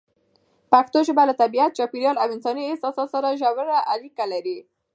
پښتو ژبه له طبیعت، چاپېریال او انساني احساساتو سره ژوره اړیکه لري.